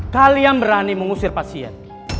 kalian berani mengusir pasien